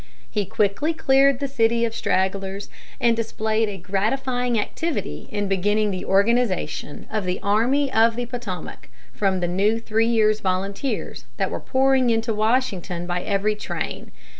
He quickly cleared the city of stragglers, and displayed a gratifying activity in beginning the organization of the Army of the Potomac from the new three years' volunteers that were pouring into Washington by every train.